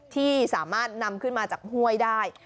ที่สามารถนำขึ้นมาจากห้วยได้